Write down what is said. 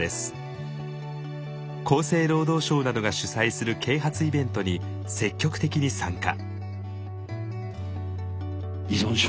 厚生労働省などが主催する啓発イベントに積極的に参加。